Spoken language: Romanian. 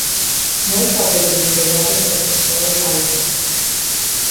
Mulți au vorbit deja despre sectorul auto.